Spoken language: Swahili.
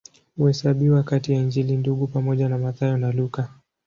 Huhesabiwa kati ya Injili Ndugu pamoja na Mathayo na Luka.